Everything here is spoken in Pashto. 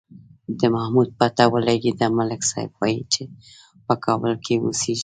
د محمود پته ولگېده، ملک صاحب وایي چې په کابل کې اوسېږي.